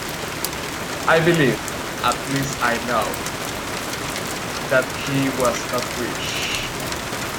I believe — at least I know — that he was not rich.